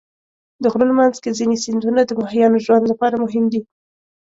د غرونو منځ کې ځینې سیندونه د ماهیانو ژوند لپاره مهم دي.